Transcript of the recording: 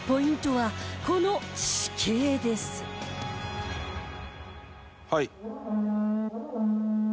はい。